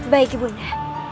baik ibu nia